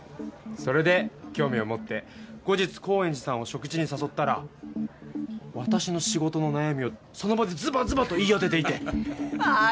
それで興味を持って後日高円寺さんを食事に誘ったら私の仕事の悩みをその場でずばずばと言い当てていて。